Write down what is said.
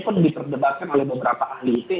pun diperdebatkan oleh beberapa ahli it